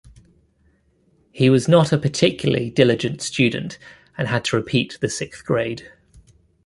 He was not a particularly diligent student and had to repeat the sixth grade.